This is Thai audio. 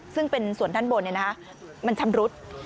ซึ่งเป็นส่วนด้านบนมันชำรุด